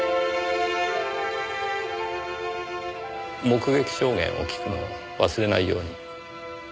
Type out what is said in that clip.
目撃証言を聞くのを忘れないように。